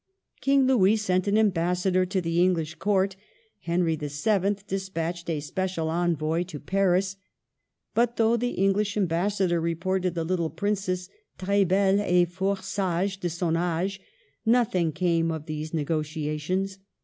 King Louis sent an embassy to the English court ; Henry VIL despatched a special envoy to Paris; but though the English ambas sador reported the little Princess tres belle et fort saige de son aage," nothing came of these negotiations.